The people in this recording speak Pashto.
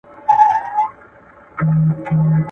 یو لوی ډنډ وو تر سایو د ونو لاندي `